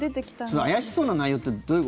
その怪しそうな内容ってどういう？